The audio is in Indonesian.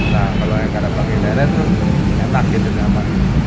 nah kalau yang ada parkir liarnya itu enak gitu enggak apa apa